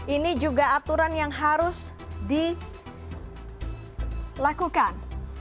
ini juga aturan yang harus dilakukan